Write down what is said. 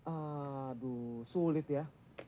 aduh sulit ya